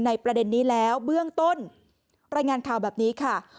ประเด็นนี้แล้วเบื้องต้นรายงานข่าวแบบนี้ค่ะ